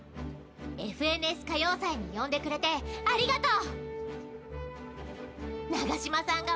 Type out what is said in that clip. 「ＦＮＳ歌謡祭」に呼んでくれてありがとう。